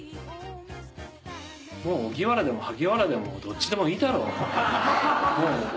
「もう荻原でも萩原でもどっちでもいいだろ」